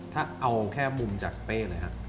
ถ้าเอาแค่มุมจากเป้เลยครับ